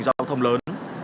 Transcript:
giao thông lớn